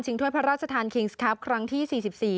ชิงถ้วยพระราชธรรมครับครั้งที่สี่สิบสี่